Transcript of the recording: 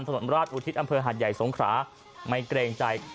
ถนนราชอุทิศอำเภอหาดใหญ่สงขราไม่เกรงใจ